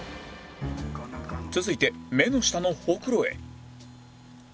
続いて目の下のホクロへ